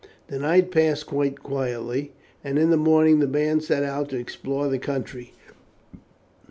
The night passed quite quietly, and in the morning the band set out to explore the country.